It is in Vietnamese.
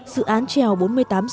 dự án trèo bốn mươi tám h